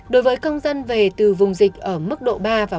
đối với công dân về từ vùng dịch ở mức độ ba bốn